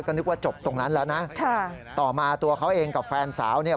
ก็นึกว่าจบตรงนั้นแล้วนะค่ะต่อมาตัวเขาเองกับแฟนสาวเนี่ย